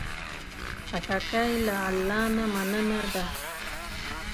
خټکی له الله نه مننه ده.